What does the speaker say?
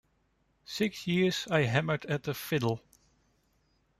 Six years I hammered at the fiddle.